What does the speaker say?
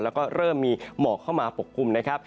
แล้วก็เริ่มมีหมอกเข้ามาปกคลุมนะครับ